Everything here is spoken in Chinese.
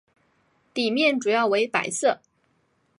底面主要为白色。